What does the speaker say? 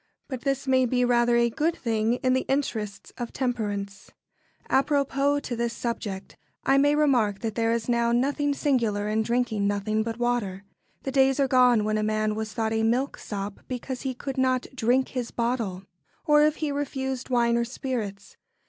But this may be rather a good thing in the interests of temperance. [Sidenote: The water drinker not singular.] Apropos to this subject, I may remark that there is now nothing singular in drinking nothing but water. The days are gone when a man was thought a milksop because he could not "drink his bottle," or if he refused wine or spirits.